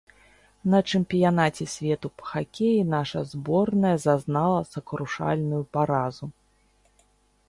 На чэмпіянаце свету па хакеі наша зборная зазнала сакрушальную паразу.